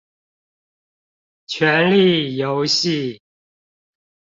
權力遊戲